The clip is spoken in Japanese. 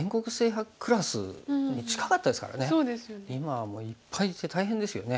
今はもういっぱいいて大変ですよね。